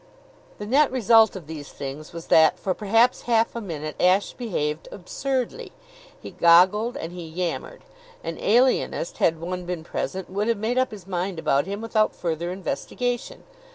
The net result of these things was that, for perhaps half a minute, Ashe behaved absurdly. He goggled and he yammered. An alienist, had one been present, would have made up his mind about him without further investigation.